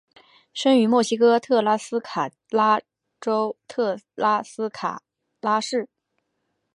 生于墨西哥特拉斯卡拉州特拉斯卡拉市。